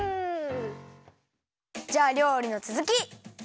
じゃありょうりのつづき！